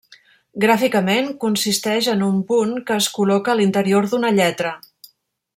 Gràficament, consisteix en un punt que es col·loca a l'interior d'una lletra.